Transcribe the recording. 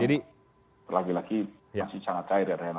lagi lagi masih sangat cair ya reinhardt ya